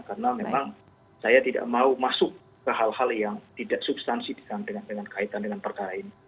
karena memang saya tidak mau masuk ke hal hal yang tidak substansi dengan kaitan dengan perkara ini